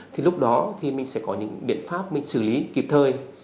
thì lúc đó thì mình sẽ có những biện pháp mình xử lý kịp thời